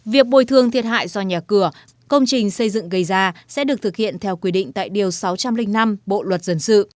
việc bồi thường thiệt hại do nhà cửa công trình xây dựng gây ra sẽ được thực hiện theo quy định tại điều sáu trăm linh năm bộ luật dân sự